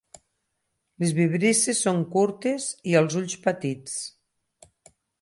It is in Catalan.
Les vibrisses són curtes i els ulls petits.